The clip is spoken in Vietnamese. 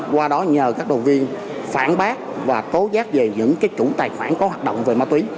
qua đó nhờ các đồng viên phản bác và tố giác về những chủ tài khoản có hoạt động về ma túy